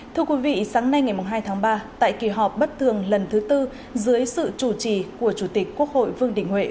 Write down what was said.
thưa quý vị sáng nay ngày hai tháng ba tại kỳ họp bất thường lần thứ tư dưới sự chủ trì của chủ tịch quốc hội vương đình huệ